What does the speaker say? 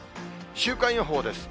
週間予報です。